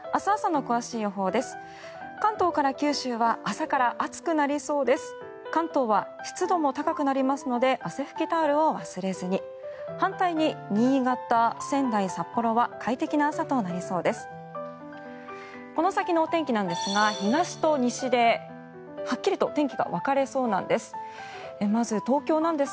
この先のお天気なんですが東と西ではっきりと天気が分かれそうです。